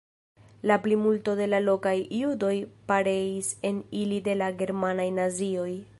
La plimulto de la lokaj judoj pereis en ili de la germanaj nazioj.